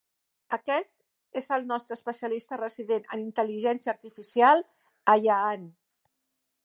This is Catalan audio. Aquest és el nostre especialista resident en intel·ligència artificial, Ayaan.